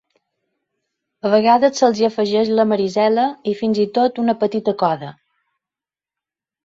A vegades se'ls hi afegeix la Marisela i fins i tot una petita coda.